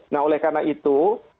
nah oleh karena itu